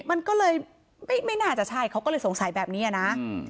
มันก็เลยไม่น่าจะใช่เขาก็เลยสงสัยแบบนี้นะ